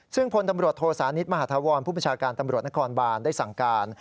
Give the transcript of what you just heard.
ซึ่งพลตำรวจโทสานิทมหาธาวรผู้ประชาการตำรวจนครบานได้สั่งการ